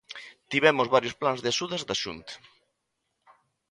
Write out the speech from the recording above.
Tivemos varios plans de axudas da Xunta.